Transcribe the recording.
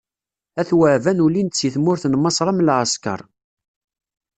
At Waɛban ulin-d si tmurt n Maṣer am lɛeskeṛ.